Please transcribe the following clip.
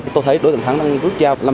tôi thấy đối tượng thắng đang rút ra